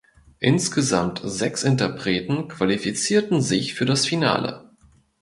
Insgesamt sechs Interpreten qualifizierten sich für das Finale.